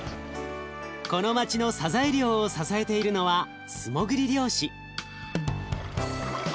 この町のさざえ漁を支えているのは素もぐり漁師。